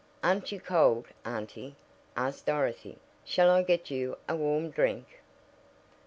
"Aren't you cold, auntie?" asked Dorothy. "Shall I get you a warm drink?"